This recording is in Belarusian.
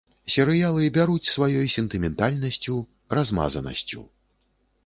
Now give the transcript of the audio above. Серыялы бяруць сваёй сентыментальнасцю, размазанасцю.